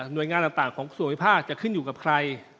หน่วยงานต่างของส่วนบริภาคจะขึ้นอยู่กับใคร